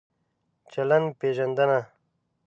چلند پېژندنه